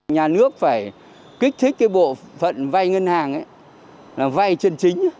nhà nước phải kích thích cái bộ phận vay ngân hàng ấy là vay chân chính